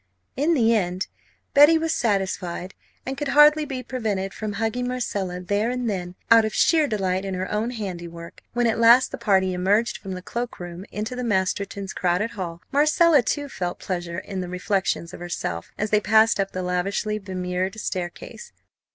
In the end Betty was satisfied, and could hardly be prevented from hugging Marcella there and then, out of sheer delight in her own handiwork, when at last the party emerged from the cloak room into the Mastertons' crowded hall. Marcella too felt pleasure in the reflections of herself as they passed up the lavishly bemirrored staircase.